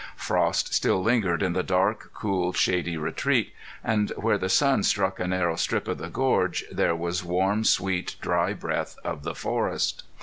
Frost still lingered in the dark, cool, shady retreat; and where the sun struck a narrow strip of the gorge there was warm, sweet, dry breath of the forest.